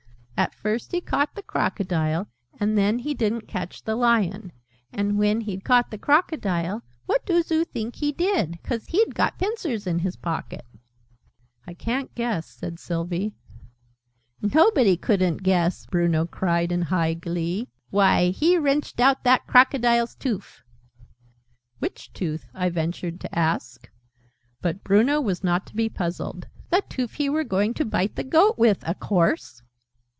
And first he caught the Crocodile, and then he didn't catch the Lion. And when he'd caught the Crocodile, what doos oo think he did 'cause he'd got pincers in his pocket?" "I ca'n't guess," said Sylvie. {Image...'He wrenched out that crocodile's toof!'} "Nobody couldn't guess it!" Bruno cried in high glee. "Why, he wrenched out that Crocodile's toof!" "Which tooth?" I ventured to ask. But Bruno was not to be puzzled. "The toof he were going to bite the Goat with, a course!"